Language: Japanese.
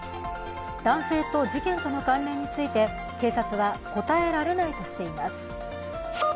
男性と事件との関連について警察は答えられないとしています。